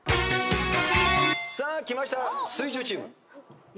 さあきました水１０チーム。